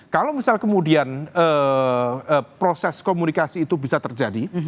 kalau misal kemudian proses komunikasi itu bisa terjadi